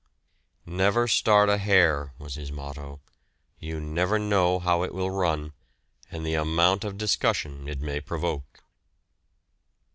"Never start a hare" was his motto, "you never know how it will run, and the amount of discussion it may provoke."